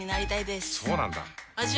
そうなんだ。